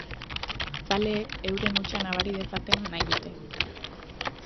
Zaleek euren hutsa nabari dezaten nahi dute.